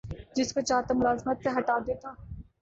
جس کو چاہتا ملازمت سے ہٹا دیتا